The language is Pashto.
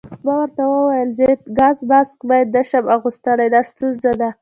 ما ورته وویل: ضد ګاز ماسک بیا نه شم اغوستلای، دا ستونزه ده.